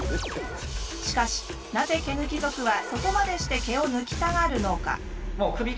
しかしなぜ毛抜き族はそこまでして毛を抜きたがるのか？